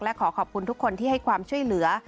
และขอขอบคุณทุกคนที่ให้ความช่วยเหลือ